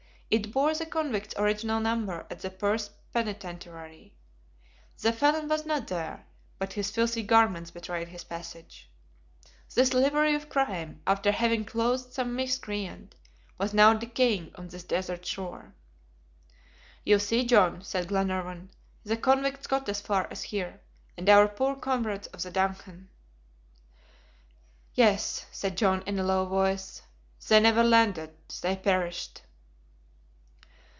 It bore the convict's original number at the Perth Penitentiary. The felon was not there, but his filthy garments betrayed his passage. This livery of crime, after having clothed some miscreant, was now decaying on this desert shore. "You see, John," said Glenarvan, "the convicts got as far as here! and our poor comrades of the DUNCAN " "Yes," said John, in a low voice, "they never landed, they perished!"